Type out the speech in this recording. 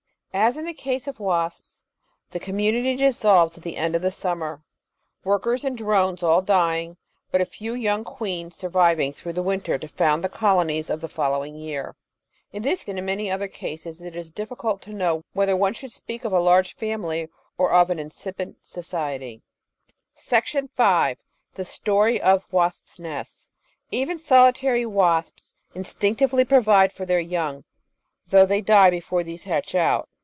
As in the case of wasps, the community dissolves at the end of the summer, workers and drones all dying, but a few young queens surviving through the winter to found the colonies of the following year. In this and in many similar cases it is difficult to know whether one should speak of a large family or of an incipient society. The Story of Wasps' Nests Even Solitary Wasps instinctively provide for their young, though they die before these hatch out.